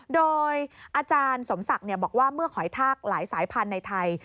โดยอาจารย์สมศักดิ์บอกว่าเมื่อหอยทากหลายสายพันธุ์ในไทย